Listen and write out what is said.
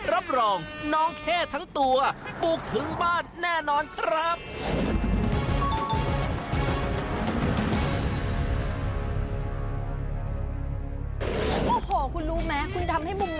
รับรองน้องเข้ทั้งตัวปลูกถึงบ้านแน่นอนครับ